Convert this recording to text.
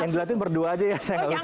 yang diliatin berdua aja ya saya gak usah